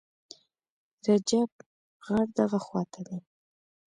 رجیب، غار دغه خواته دی.